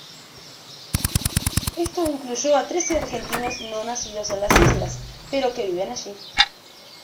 Esto incluyó a trece argentinos no nacidos en las islas, pero que viven allí.